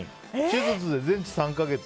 手術で全治３か月。